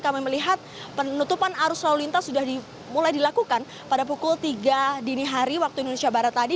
kami melihat penutupan arus lalu lintas sudah dimulai dilakukan pada pukul tiga dini hari waktu indonesia barat tadi